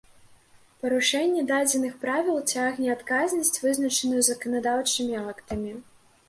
Парушэнне дадзеных Правіл цягне адказнасць, вызначаную заканадаўчымі актамі